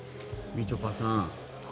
みちょぱさん